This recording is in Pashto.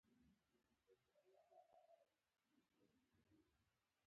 تا سره غږېدل سم دیواله سره خبرې کول دي.